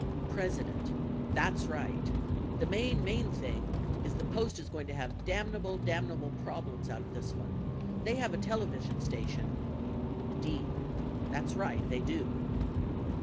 President. That's right. The main, main thing is the Post is going to have damnable, damnable problems out of this one. They have a television station Dean. That's right, they do.